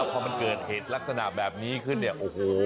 พอมันเกิดเหตุลักษณะแบบนี้ขึ้นเนี่ยโอ้โห